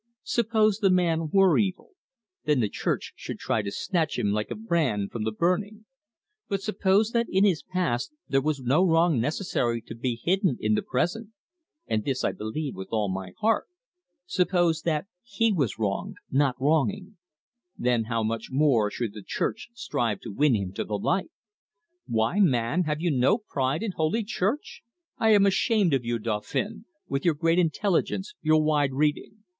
Suppose the man were evil, then the Church should try to snatch him like a brand from the burning. But suppose that in his past there was no wrong necessary to be hidden in the present and this I believe with all my heart; suppose that he was wronged, not wronging: then how much more should the Church strive to win him to the light! Why, man, have you no pride in Holy Church? I am ashamed of you, Dauphin, with your great intelligence, your wide reading.